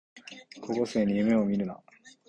高校生に夢をみるな